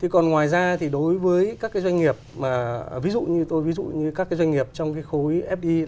còn ngoài ra thì đối với các doanh nghiệp ví dụ như tôi ví dụ như các doanh nghiệp trong khối fd là doanh nghiệp điện tử